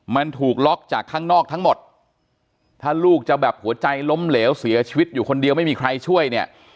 มันถูกล็อกจากข้างนอกทั้งหมดถ้าลูกจะแบบหัวใจล้มเหลวเสียชีวิตอยู่คนเดียวไม่มีใครช่วยเนี่ย